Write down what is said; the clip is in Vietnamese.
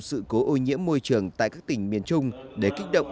sự cố ô nhiễm môi trường tại các tỉnh miền trung để kích động